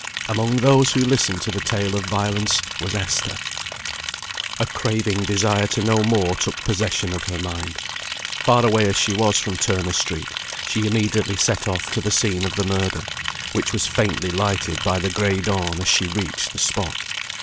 Among those who listened to the tale of violence was Esther. A craving desire to know more took possession of her mind. Far away as she was from Turner Street, she immediately set off to the scene of the murder, which was faintly lighted by the gray dawn as she reached the spot.